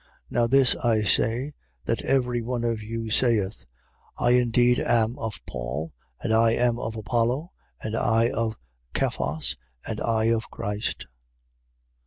1:12. Now this I say, that every one of you saith: I indeed am of Paul; and I am of Apollo; and I of Cephas; and I of Christ.